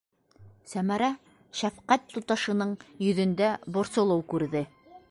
...Сәмәрә шәфҡәт туташының йөҙөндә борсолоу күрҙе.